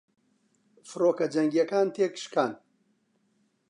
فڕۆکە جەنگیەکان تێکشکان